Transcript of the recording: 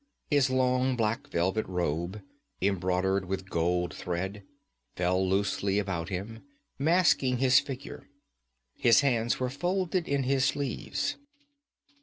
His long black velvet robe, embroidered with gold thread, fell loosely about him, masking his figure. His hands were folded in his sleeves.